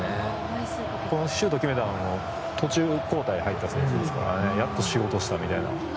シュートを決めたのも途中交代で入った選手ですからねやっと仕事したみたいな。